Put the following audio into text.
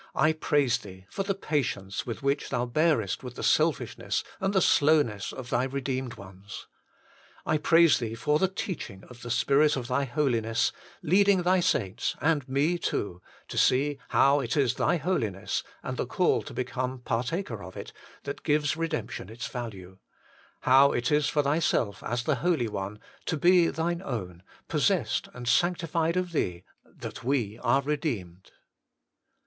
I praise Thee for the patience with which Thou bearest with the selfishness and the slowness of Thy redeemed ones. I praise Thee for the teaching of the Spirit of Thy Holiness, leading Thy saints, and me too, to see how it is Thy Holiness, and the call to become partaker of it, that gives redemption its value ; how it is for Thyself as the Holy One, to be Thine own, possessed and sanctified of Thee, that we are redeemed.